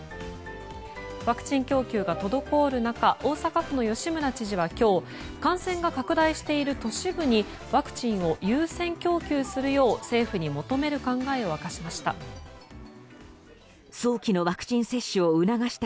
ワクチン供給が滞る中大阪市の吉村知事は今日感染が拡大している都市部にワクチンを優先供給するよう政府に求める考えを明かしました。